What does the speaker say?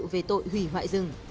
về tội hủy hoại rừng